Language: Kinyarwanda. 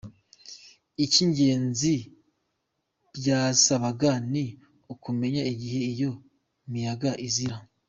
Icy’ingenzi byasabaga, ni ukumenmya igihe iyo miyaga izira.